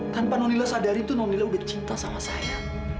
tanpa nonila sadari tuh nonila udah cinta sama saya